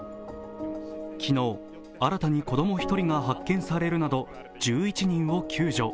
昨日、新たに子供１人が発見されるなど１１人を救助。